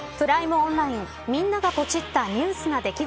オンラインみんながポチったニュースな出来事